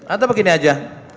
atau begini aja